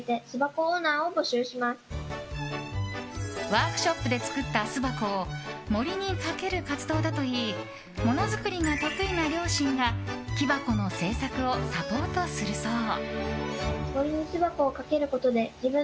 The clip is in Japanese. ワークショップで作った巣箱を森にかける活動だといいもの作りが得意な両親が木箱の制作をサポートするそう。